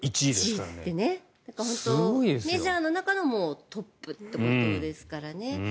メジャーの中のトップってことですからね。